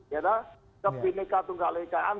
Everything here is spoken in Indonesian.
kepindekan tunggal lekaan